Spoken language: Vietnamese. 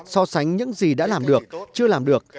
so sánh những gì đã làm được chưa làm được